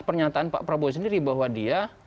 pernyataan pak prabowo sendiri bahwa dia